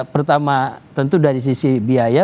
pertama tentu dari sisi biaya